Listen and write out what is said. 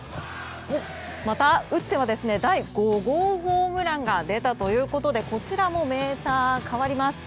また、打っては第５号ホームランが出たということでこちらもメーター変わります。